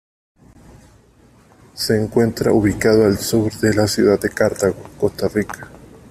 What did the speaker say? Se encuentra ubicado al sur de la ciudad de Cartago, Costa Rica.